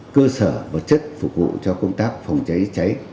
cơ sở vật chất phục vụ cho công tác phòng cháy cháy